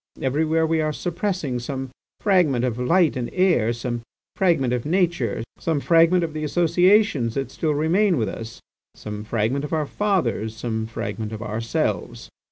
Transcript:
Everywhere we are suppressing some fragment of light and air, some fragment of nature, some fragment of the associations that still remain with us, some fragment of our fathers, some fragment of ourselves.